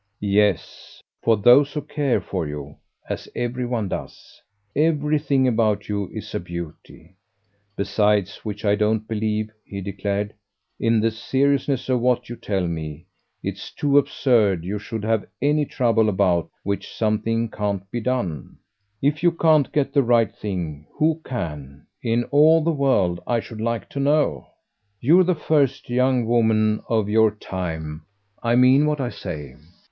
"Yes, for those who care for you as every one does. Everything about you is a beauty. Besides which I don't believe," he declared, "in the seriousness of what you tell me. It's too absurd you should have ANY trouble about which something can't be done. If you can't get the right thing, who CAN, in all the world, I should like to know? You're the first young woman of your time. I mean what I say."